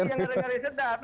iya ngeri ngeri sedap